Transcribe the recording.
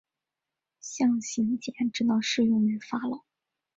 象形茧只能适用于法老。